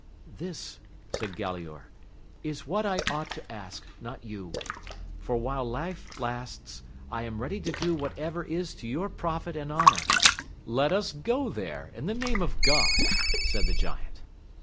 This, said Gulaor, is what I ought to ask, not you ; for, while life lasts, I am ready to do whatever is to your profit and honour : let us go there ! In the name of God, said the giant.